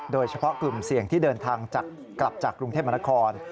โดยเฉพาะกลุ่มเสี่ยงที่เดินทางกลับจากกรุงเทพมนาคม